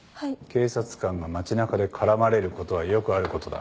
警察官が街中で絡まれることはよくあることだ。